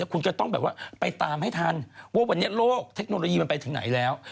คุณก็ต้องแบบว่าไปตามให้ทันว่าวันนี้โลกเทคโนโลยีมันไปถึงไหนแล้ว